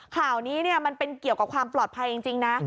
ข่าวนี้มันเป็นเกี่ยวกับความปลอดภัยจริงนะ